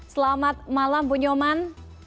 selamat malam bu nyoman